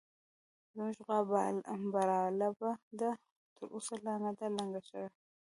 زموږ غوا برالبه ده، خو تر اوسه لا نه ده لنګه شوې